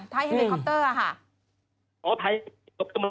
ท้ายไฮเล็กคอปเตอร์อ่ะฮะ